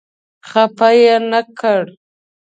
خپه یې نه کړ.